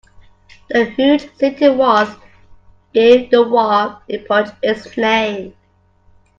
The huge city walls gave the wall epoch its name.